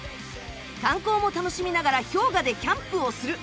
観光も楽しみながら氷河でキャンプをする。